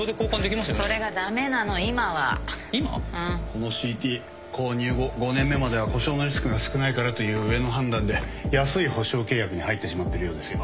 このＣＴ購入後５年目までは故障のリスクが少ないからという上の判断で安い保障契約に入ってしまってるようですよ。